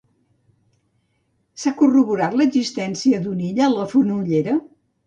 S'ha corroborat l'existència d'una illa a la Fonollera?